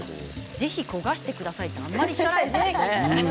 ぜひ焦がしてくださいってあまり言わないですよね。